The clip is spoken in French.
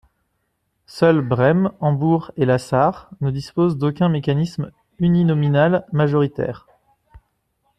Seuls Brême, Hambourg et la Sarre ne disposent d'aucun mécanisme uninominal majoritaire.